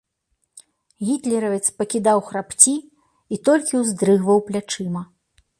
Гітлеравец пакідаў храпці і толькі ўздрыгваў плячыма.